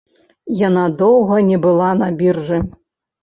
Яна доўга не была на біржы.